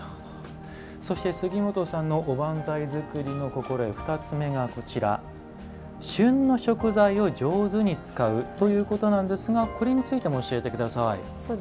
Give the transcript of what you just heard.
そして、杉本さんのおばんざい作りの心得、２つ目が「旬の食材を上手に使う」ということなんですがこれについても教えてください。